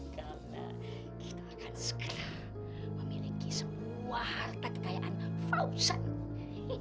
karena kita akan segera memiliki semua harta kekayaan fausan